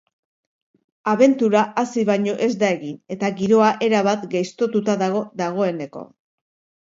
Abentura hasi baino ez da egin eta giroa erabat gaiztotuta dago dagoeneko.